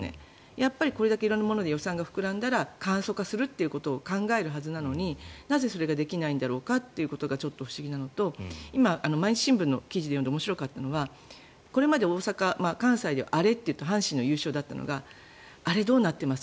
やっぱりこれだけ予算が膨らんだら簡素化するということを考えるはずなのになぜそれができないんだろうかということがちょっと不思議なのと今、毎日新聞の記事を読んで面白かったのがこれまで大阪、関西ではアレというと阪神の優勝だったのがアレどうなってます？